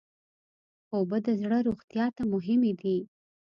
اوبه د زړه روغتیا ته مهمې دي.